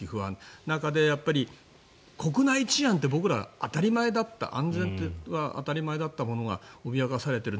その中で国内治安って僕ら、当たり前だった安全が当たり前だったものが脅かされている。